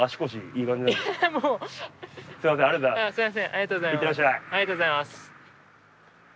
ありがとうございます。